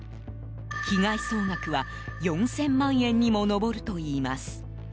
被害総額は、４０００万円にも上るといいます。